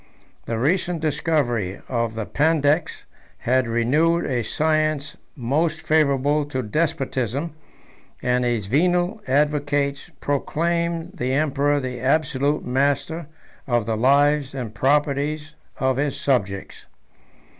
The recent discovery of the Pandects had renewed a science most favorable to despotism; and his venal advocates proclaimed the emperor the absolute master of the lives and properties of his subjects.